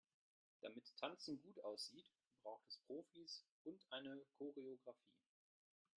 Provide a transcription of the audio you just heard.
Damit Tanzen gut aussieht, braucht es Profis und eine Choreografie.